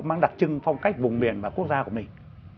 mang đặc trưng phong cách vùng biển và quốc gia của mình